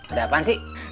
itu apaan sih